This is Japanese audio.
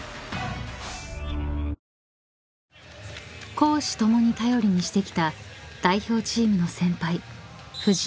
［公私ともに頼りにしてきた代表チームの先輩］